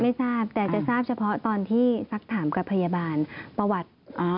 ไม่ทราบแต่จะทราบเฉพาะตอนที่สักถามกับพยาบาลประวัติ